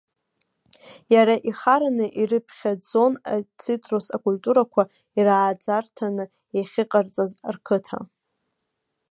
Иара ихараны ирыԥхьаӡон ацитрустә культурақәа ирааӡарҭаны иахьыҟарҵаз рқыҭа.